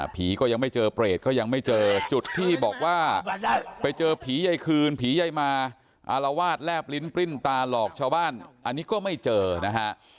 ก็ยังไม่เจอเปรตก็ยังไม่เจอจุดที่บอกว่าไปเจอผีใยคืนผีใยมาอารวาสแลบลิ้นปริ้นตาหลอกชาวบ้านอันนี้ก็ไม่เจอนะฮะ